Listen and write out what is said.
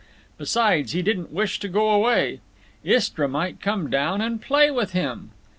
Besides, he didn't wish to go away. Istra might come down and play with him.